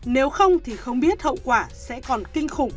nếu không thì không biết hậu quả sẽ còn kinh khủng